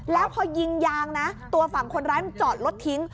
แล้วพอยิงยางนะตัวฝั่งคนร้ายมันจอดรถทิ้ง